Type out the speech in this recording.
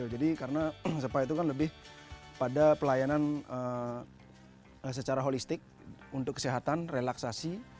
jadi karena spa itu kan lebih pada pelayanan secara holistik untuk kesehatan relaksasi